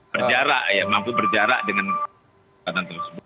berjarak ya mampu berjarak dengan kekuatan tersebut